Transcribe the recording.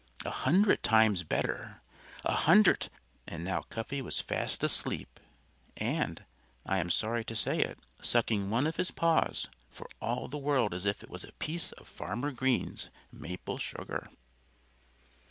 A hundred times better!... A hundred_ And now Cuffy was fast asleep and I am sorry to say it sucking one of his paws for all the world as if it was a piece of Farmer Green's maple sugar.